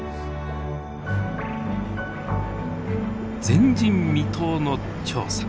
前人未到の調査。